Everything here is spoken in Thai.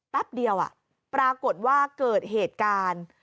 แป๊บเดียวปรากฏว่าเกิดเหตุการณ์